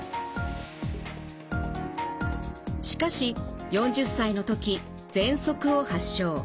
しかし４０歳の時ぜんそくを発症。